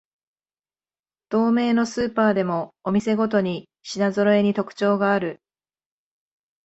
同名のスーパーでもお店ごとに品ぞろえに特徴がある